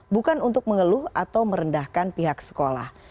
bukan untuk mengeluh atau merendahkan pihak sekolah